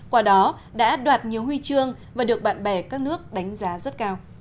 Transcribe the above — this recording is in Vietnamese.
qua đó đã đoạt nhiều huy chương và được bạn bè các nước đánh giá rất cao